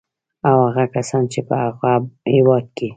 او هغه کسان چې په هغه هېواد کې